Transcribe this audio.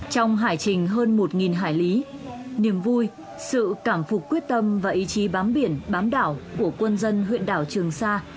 trong hải trình hơn một hải lý niềm vui sự cảm phục quyết tâm và ý chí bám biển bám đảo của quân dân huyện đảo trường sa